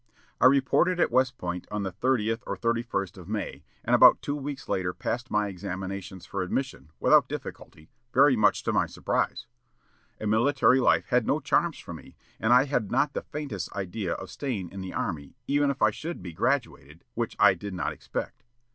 "I reported at West Point on the 30th or 31st of May, and about two weeks later passed my examinations for admission, without difficulty, very much to my surprise. A military life had no charms for me, and I had not the faintest idea of staying in the army even if I should be graduated, which I did not expect.